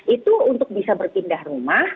itu untuk bisa berpindah rumah